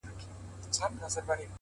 نن داخبره درلېږمه تاته”